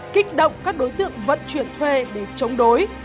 kích động các đối tượng vận chuyển thuê để chống đối